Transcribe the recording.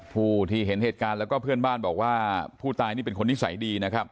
ผู้ที่เห็นเหตุการณ์และเพื่อนบ้านบอกว่าผู้ตายเป็นนิสัยดี